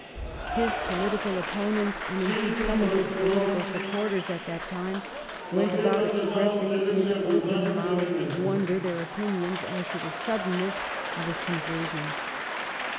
His political opponents, and, indeed, some of his political supporters at that time, went about expressing in open mouthed wonder their opinions as to the suddenness of his conversion.